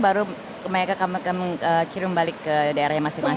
baru mereka akan kirim balik ke daerah masing masing